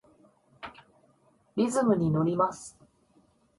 リズムにのります。